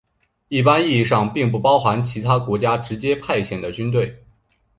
一般意义上并不包含其他国家直接派遣的军队。